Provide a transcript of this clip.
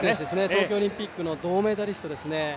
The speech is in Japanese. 東京オリンピックの銅メダリストです。